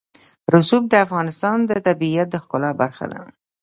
رسوب د افغانستان د طبیعت د ښکلا برخه ده.